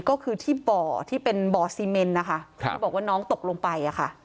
ก็คือที่บ่อที่เป็นบ่อซีเมนนะคะที่บอกว่าน้องตกลงไปค่ะ